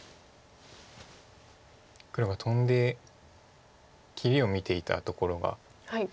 黒がトンで切りを見ていたところが。